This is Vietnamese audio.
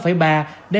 bảo tính minh châu